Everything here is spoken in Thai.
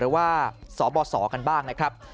หรือว่าสบศกันบ้างนะครับ